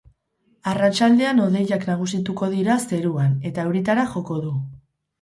Arratsaldean hodeiak nagusituko dira zeruan eta euritara joko du.